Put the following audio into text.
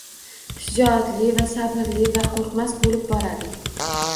Shijoatli va sabrli va qo’rqmas bo’lib boradi.